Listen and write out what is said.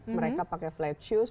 mereka pakai flat shoes